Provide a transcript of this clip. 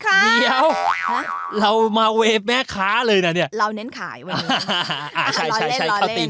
เดี๋ยวเรามาเวฟแม่ขาเลยนะเนี่ย